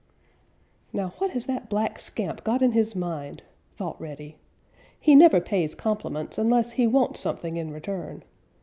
"Now what has that black scamp got in his mind," thought Reddy. "He never pays compliments unless he wants something in return.